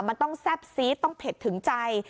มันต้องแซ่บซีดต้องเผ็ดถึงใจ